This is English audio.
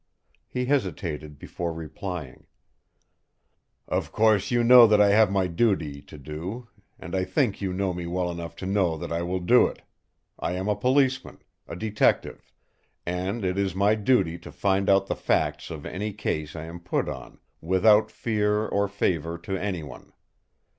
He hesitated before replying: "Of course you know that I have my duty to do; and I think you know me well enough to know that I will do it. I am a policeman—a detective; and it is my duty to find out the facts of any case I am put on, without fear or favour to anyone.